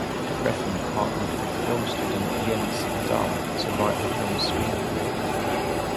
Refn partnered with film student Jens Dahl to write the film's screenplay.